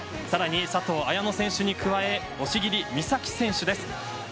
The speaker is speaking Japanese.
更に佐藤綾乃選手に加え押切美沙紀選手です。